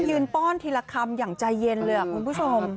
ป้อนทีละคำอย่างใจเย็นเลยคุณผู้ชม